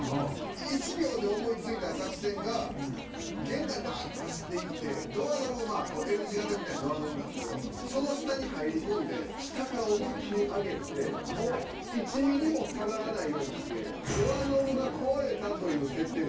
１秒で思い付いた作戦が玄関にばって走って行ってドアノブＬ字型みたいなドアノブなんすけどその下に入り込んで下から思いっ切り上げて１ｍｍも下がらないようにしてドアノブが壊れたという設定で。